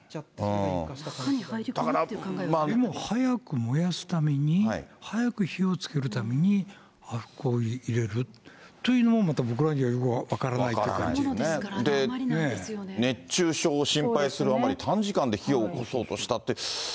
だから。早く燃やすために、早く火をつけるために、アルコール入れるというのもまた僕らにはよく分からないという感熱中症を心配するあまり、短時間で火をおこそうとしたって。